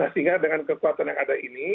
sehingga dengan kekuatan yang ada ini